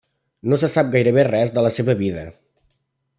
No se sap gairebé res de la seva vida.